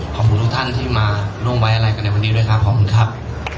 ขอบคุณทุกท่านที่มาร่วมไว้อะไรกันในวันนี้ด้วยครับขอบคุณครับ